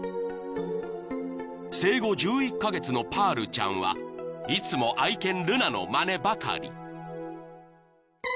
［生後１１カ月のパールちゃんはいつも愛犬ルナのまねばかり］